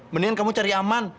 mendingan kamu cari aman